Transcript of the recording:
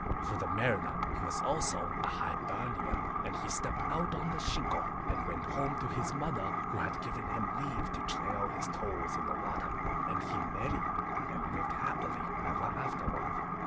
For the Mariner he was also an Hi ber ni an. And he stepped out on the shingle, and went home to his mother, who had given him leave to trail his toes in the water; and he married and lived happily ever afterward.